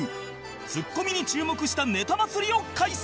ツッコミに注目したネタ祭りを開催